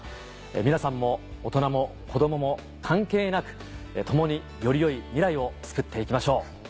皆さんも大人も子どもも関係なく共により良い未来をつくっていきましょう。